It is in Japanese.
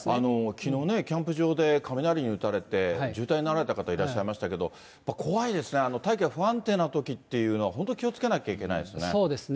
きのうね、キャンプ場で雷に打たれて、重体になられた方、いらっしゃいましたけど、怖いですね、大気が不安定なときというのは、本当に気をつけなきゃいけないですね。